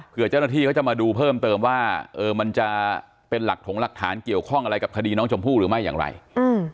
เพื่อเจ้าหน้าที่เขาจะมาดูเพิ่มเติมว่าเออมันจะเป็นหลักถงหลักฐานเกี่ยวข้องอะไรกับคดีน้องชมพู่หรือไม่อย่างไรอืม